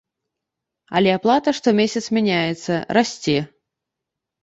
Але аплата штомесяц мяняецца, расце.